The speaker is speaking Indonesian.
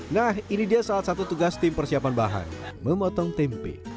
nah ini dia salah satu tugas tim persiapan bahan memotong tempe